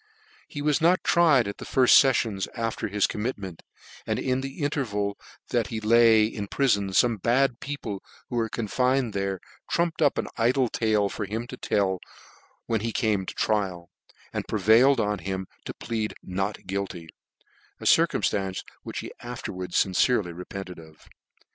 He \vas not tried at the nYft feffions after his commitment, and in the interval that he lay in ptiion /ome bad people who were confined there trumpted up an iJlc tale for him i& tell when he came to trial, and prevailed on him to plead not guilty ; a circumftance which he afterwards fin* cerely repented oi.